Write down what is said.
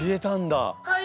はい。